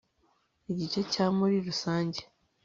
Igice cya Muri rusange